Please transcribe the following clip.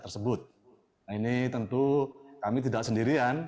nah ini tentu kami tidak sendirian